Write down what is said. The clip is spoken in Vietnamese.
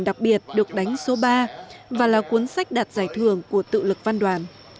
đặc biệt được đánh số ba và là cuốn sách đạt giải thưởng của tự lực văn đoàn